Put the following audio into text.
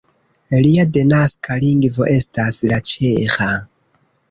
Lia denaska lingvo estas la ĉeĥa.